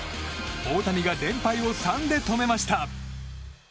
大谷が連敗を３で止めました。